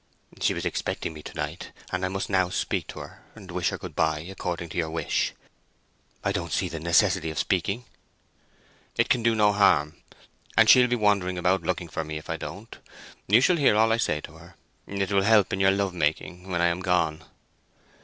"She was expecting me to night—and I must now speak to her, and wish her good bye, according to your wish." "I don't see the necessity of speaking." "It can do no harm—and she'll be wandering about looking for me if I don't. You shall hear all I say to her. It will help you in your love making when I am gone."